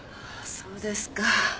そうですか。